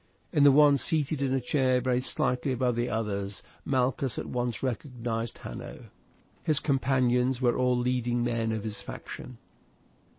In the one seated in a chair very slightly above the others Malchus at once recognized Hanno. His companions were all leading men of his faction.